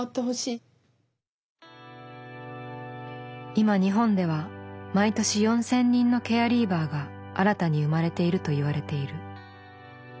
今日本では毎年４，０００人のケアリーバーが新たに生まれているといわれている。